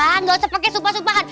hah gak usah pake sumpah sumpahan